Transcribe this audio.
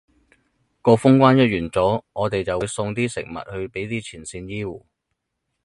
個封關一完咗，我哋就會送啲食物去畀啲前線醫護